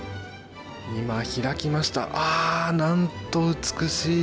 今、開きました何と美しい。